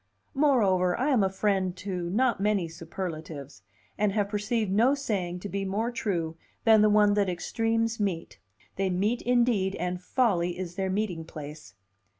Moreover, I am a friend to not many superlatives, and have perceived no saying to be more true than the one that extremes meet: they meet indeed, and folly is their meeting place.